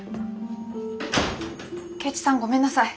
圭一さんごめんなさい。